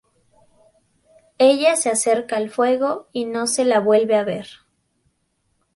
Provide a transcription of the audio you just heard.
Ella se acerca al fuego y no se la vuelve a ver.